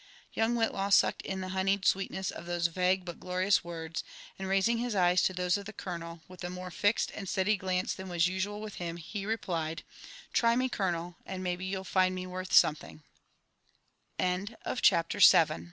Young Whitlaw sucked in the honied sweetness of those vague biit glorious words; and raising his eyes to those of the colonel, with a more fixed and steady glance than was usual with him, he replied :" Try me, colonel, and maybe you'l